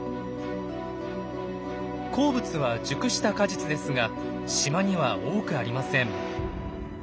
好物は熟した果実ですが島には多くありません。